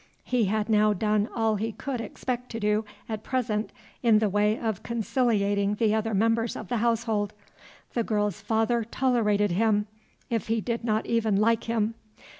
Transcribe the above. He had now done all he could expect to do at present in the way of conciliating the other members of the household. The girl's father tolerated him, if he did not even like him.